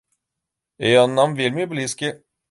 Ён нам вельмі блізкі.